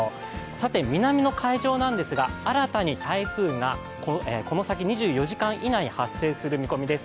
さて、南の海上なんですが、新たな台風がこの先２４時間以内に発生する見込みです。